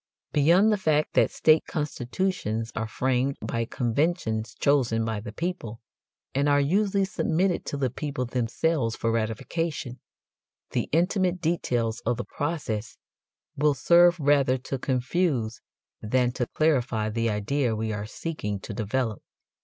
Beyond the fact that state constitutions are framed by conventions chosen by the people, and are usually submitted to the people themselves for ratification, the intimate details of the process will serve rather to confuse than to clarify the idea we are seeking to develop.